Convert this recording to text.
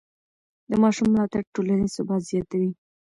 د ماشوم ملاتړ ټولنیز ثبات زیاتوي.